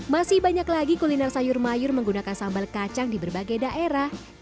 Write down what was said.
masih banyak lagi kuliner sayur mayur menggunakan sambal kacang di berbagai daerah